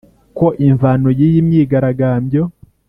ko imvano y’iyi myigaragambyo